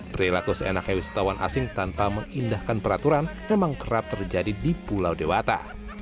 perilaku seenaknya wisatawan asing tanpa mengindahkan peraturan memang kerap terjadi di pulau dewata